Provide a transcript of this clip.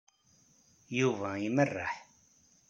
Yuba imerreḥ.